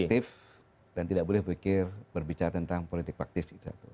aktif dan tidak boleh berbicara tentang politik praktis